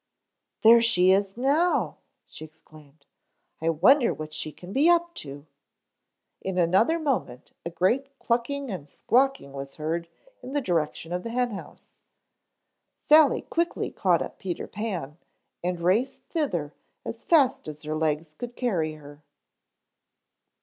"There she is now," she exclaimed. "I wonder what she can be up to." In another moment a great clucking and squawking was heard in the direction of the hen house. Sally quickly caught up Peter Pan and raced thither as fast as her legs could carry her.